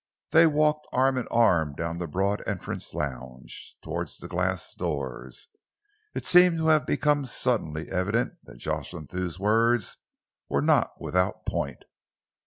They walked arm in arm down the broad entrance lounge towards the glass doors. It seemed to have become suddenly evident that Jocelyn Thew's words were not without point.